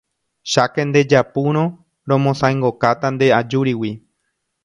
cháke ndejapúrõ romosãingokáta nde ajúrigui.